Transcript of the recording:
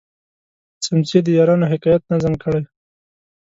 د څمڅې د یارانو حکایت نظم کړی.